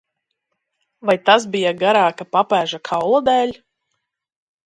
Vai tas bija garāka papēža kaula dēļ?